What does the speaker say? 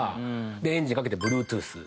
で「エンジンかけてＢｌｕｅｔｏｏｔｈ」。